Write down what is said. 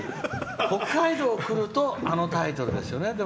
北海道来るとあのタイトルですよね。